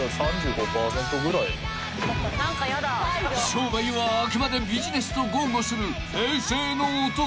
［商売はあくまでビジネスと豪語する平成の男］